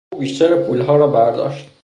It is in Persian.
او بیشتر پولها را برداشت.